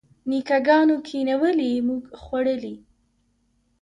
نیکه ګانو کینولي موږ خوړلي.